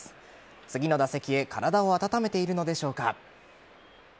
次の打席へ体を温めているのでしょうか。